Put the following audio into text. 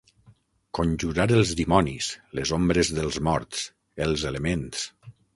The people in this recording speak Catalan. Conjurar els dimonis, les ombres dels morts, els elements.